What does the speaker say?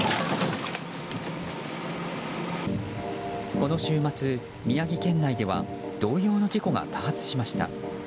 この週末、宮城県内では同様の事故が多発しました。